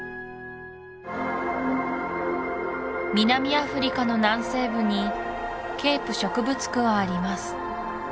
南アフリカの南西部にケープ植物区はあります